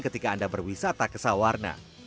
ketika anda berwisata ke sawarna